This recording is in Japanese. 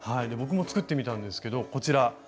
僕も作ってみたんですけどこちら。